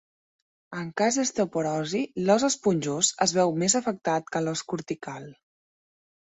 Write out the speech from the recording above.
En cas d'osteoporosi, l'os esponjós es veu més afectat que l'os cortical.